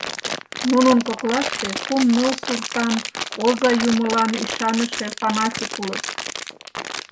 Нунын коклаште кум-ныл суртан оза юмылан ӱшаныше фанатик улыт.